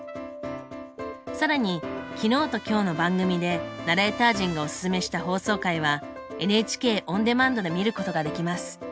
更に昨日と今日の番組でナレーター陣がおすすめした放送回はＮＨＫオンデマンドで見ることができます。